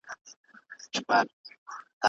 که موضوع جالب وي نو هر څوک یې لولي.